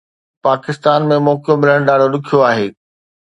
پاڪستان ۾ موقعو ملڻ ڏاڍو ڏکيو آهي